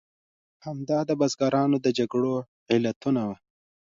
همدا د بزګرانو د جګړو علتونه وو.